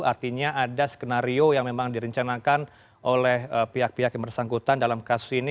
artinya ada skenario yang memang direncanakan oleh pihak pihak yang bersangkutan dalam kasus ini